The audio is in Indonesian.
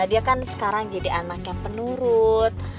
dia kan sekarang jadi anak yang penurut